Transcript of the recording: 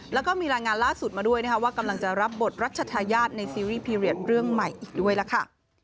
แล้วก็มีรายงานล่าสุดมาด้วยนะคะว่ากำลังจะรับบทรัชธาญาติในซีรีสพีเรียสเรื่องใหม่อีกด้วยล่ะค่ะ